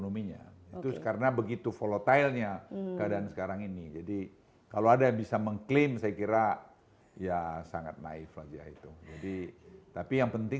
misalnya tiga puluh triliun pertama tadi